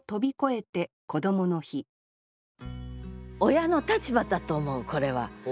親の立場だと思うこれは。